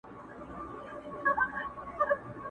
o آس د خرو په ډله کي خر سي!